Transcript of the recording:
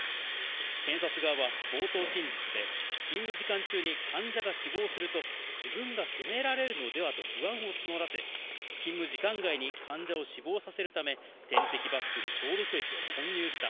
検察側は冒頭陳述で、勤務時間中に患者が死亡すると、自分が責められるのではと不安を募らせ、勤務時間外に患者を死亡させるため、点滴バッグに消毒液を混入した。